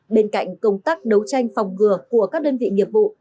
bên cạnh công tác đấu tranh phòng ngừa của các đơn vị nghiệp vụ